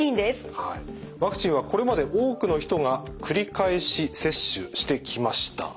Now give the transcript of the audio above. ワクチンはこれまで多くの人が繰り返し接種してきました。